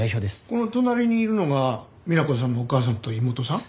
この隣にいるのが美奈子さんのお母さんと妹さん？